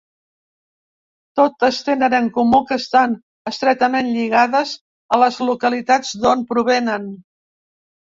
Totes tenen en comú que estan estretament lligades a les localitats d’on provenen.